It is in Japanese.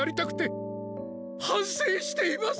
はんせいしています！